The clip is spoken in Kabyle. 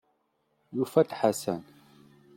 Yufa-d Ḥasan.